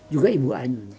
juga ibu ainun